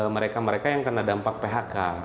mereka mereka yang kena dampak phk